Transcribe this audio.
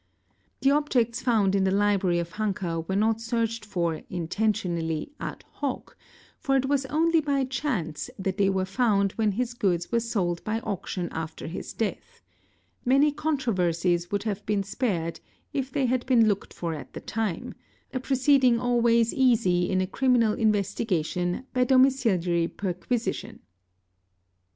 The objects found in the library of Hanka were not searched for intentionally ad hoc, for it was only by chance that they were found when his goods were sold by auction after his death: 'many controversies would have been spared if they had been looked for at the time, a proceeding always easy in a criminal investigation by domiciliary perquisition.